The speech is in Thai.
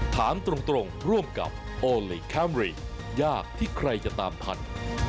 ถามตรงร่วมกับโอลี่คัมรี่ยากที่ใครจะตามทัน